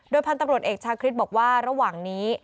พันธุ์ตำรวจเอกชาคริสบอกว่าระหว่างนี้